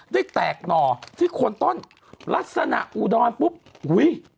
ได้แตกหน่อที่โคนต้นลักษณะอุดรปุ๊บอุ้ย